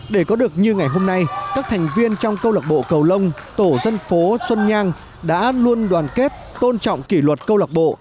để có được như ngày hôm nay các thành viên trong câu lạc bộ cầu lông tổ dân phố xuân nhang đã luôn đoàn kết tôn trọng kỷ luật câu lạc bộ